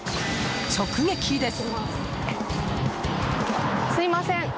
直撃です！